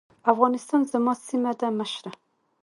افغانستان زما سيمه ده مشره.